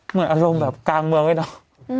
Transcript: เหมือนอารมณ์แบบกลางเมืองเลยเนอะ